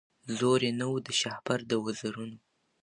زور یې نه وو د شهپر د وزرونو